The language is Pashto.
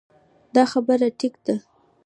دا خبره ټيک ده -